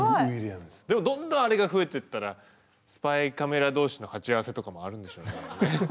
でもどんどんあれが増えてったらスパイカメラ同士の鉢合わせとかもあるんでしょうね。